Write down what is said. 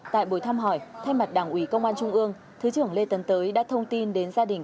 tại buổi thăm hỏi thay mặt đảng ủy công an trung ương thứ trưởng lê tấn tới đã thông tin đến gia đình